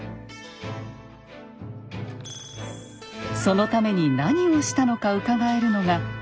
そのために何をしたのかうかがえるのがこちら。